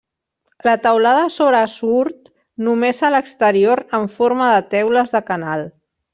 La teulada sobresurt només a l'exterior en forma de teules de canal.